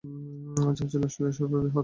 যা ছিল অস্ট্রেলিয়ার সর্ব বৃহৎ।